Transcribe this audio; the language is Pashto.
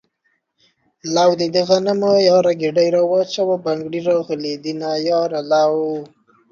لو ده دغنمو ياره ګيډی را واچوه بنګړي راغلي دينه ياره لو